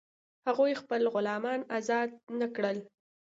هغوی خپل غلامان آزاد نه کړل.